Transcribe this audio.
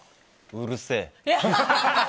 うるせえ。